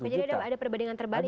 oke jadi ada perbedaan terbalik ya